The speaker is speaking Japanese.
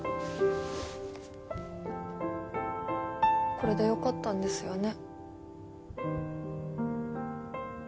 これでよかったんですよね？